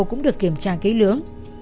cũng được kiểm tra kỹ lưỡng